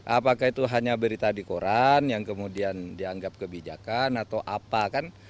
apakah itu hanya berita di koran yang kemudian dianggap kebijakan atau apa kan